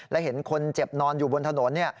และเห็นคนเจ็บนอนอยู่บนถนน